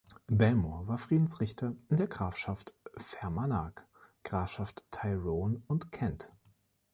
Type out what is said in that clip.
Belmore war Friedensrichter in der Grafschaft Fermanagh, Grafschaft Tyrone und Kent.